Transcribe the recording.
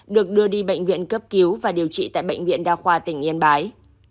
được đưa đi bệnh viện cấp cứu và điều trị tại bệnh viện đa khoa tỉnh yên bái